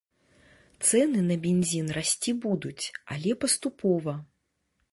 Цэны на бензін расці будуць, але паступова.